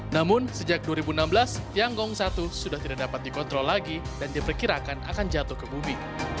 namun sejak dua ribu enam belas tianggong satu sudah tidak dapat dikontrol lagi dan diperkirakan akan jatuh ke bumi